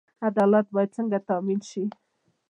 عدالت باید څنګه تامین شي؟